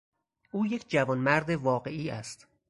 او یک جوانمرد واقعی است.